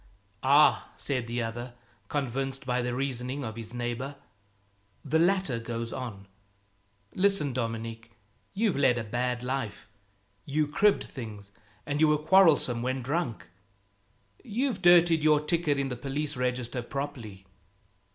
"Ah!" said the other, convinced by the reasoning of his neighbor. The latter goes on "Listen, Dominique. You've led a bad life. You cribbed things, and you were quarrelsome when drunk. You've dirtied your ticket in the police register, properly."